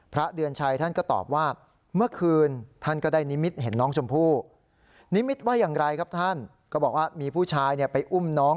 พระเดือนชัยท่านก็ตอบว่าเมื่อคืนท่านก็ได้นิมิตเห็นน้องชมพู่